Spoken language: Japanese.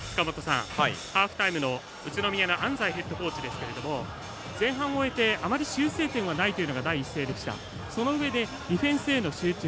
ハーフタイムの宇都宮の安齋ヘッドコーチですけれども前半を終えてあまり修正点はないというのが第一声でした、そのうえでディフェンスへの集中。